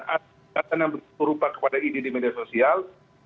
asli kata yang berperupa kepada idi di media sosial